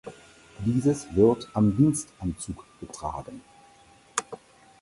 Dieses wird am Dienstanzug getragen.